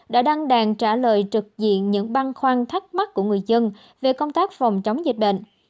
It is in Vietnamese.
đã đăng đàn trả lời trực diện những băn khoăn thắc mắc của người dân về công tác phòng chống dịch bệnh